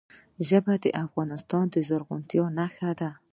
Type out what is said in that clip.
ژبې د افغانستان د زرغونتیا نښه ده.